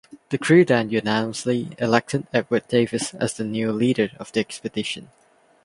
The crew then unanimously elected Edward Davis as new leader of the expedition.